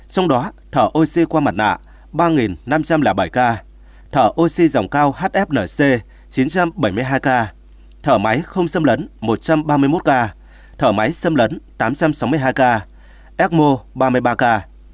trong đó thở oxy qua mặt nạ ba năm trăm linh bảy ca thở oxy dòng cao hfnc chín trăm bảy mươi hai ca thở máy không xâm lấn một trăm ba mươi một ca thở máy xâm lấn tám trăm sáu mươi hai ca ecmo ba mươi ba ca